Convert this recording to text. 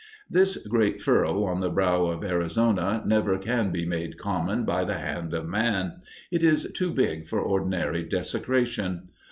This great furrow on the brow of Arizona never can be made common by the hand of man. It is too big for ordinary desecration.